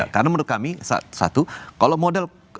karena menurut kami satu kalau model